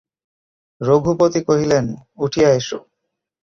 রঘুপতি কহিলেন, উঠিয়া এস।